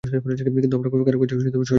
কিন্তু আমরা কারো জাহাজ ধার নিতে পারবো।